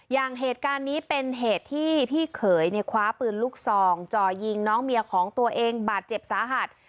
อย่างเหตุการณ์นี้เป็นเหตุที่พี่เขยเนี่ยคว้าปืนลูกซองจ่อยิงน้องเมียของตัวเองบาดเจ็บสาหัส